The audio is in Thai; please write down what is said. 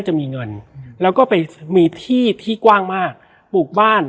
และวันนี้แขกรับเชิญที่จะมาเชิญที่เรา